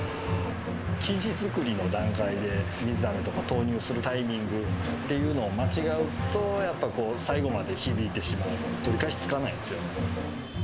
生地作りの段階で、水あめとか投入するタイミングっていうのを間違えると、やっぱこう、最後まで響いてしまう、取り返しつかないですよね。